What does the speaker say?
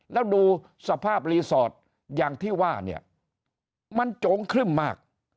แล้วดูสภาพรีสอร์ทอย่างที่ว่าเนี่ยมันโจงครึ่มมาก